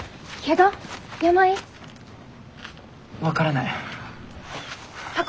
分からない。